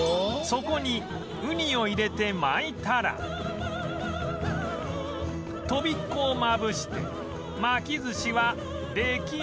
そこにウニを入れて巻いたらとびっこをまぶして巻き寿司は出来上がり